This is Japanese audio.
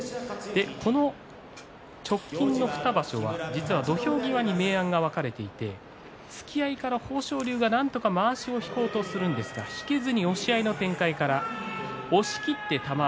その直近の２場所は実は土俵際に明暗が分かれていて突き合いから豊昇龍がなんとかまわしを引こうとするんですが引けずに押し合いの展開から押しきった玉鷲。